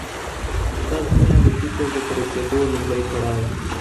دا دنیا د شکر د پوره کېدو لومړی پړاو دی.